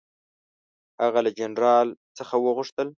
هغه له جنرال څخه وغوښتل.